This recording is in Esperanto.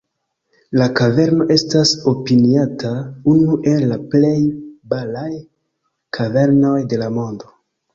La kaverno estas opiniata unu el la plej belaj kavernoj de la mondo.